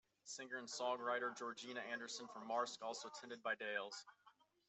Singer and songwriter Georgina Anderson from Marske, also attended Bydales.